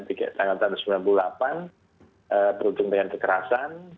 di tanggal tahun seribu sembilan ratus sembilan puluh delapan berujung dengan kekerasan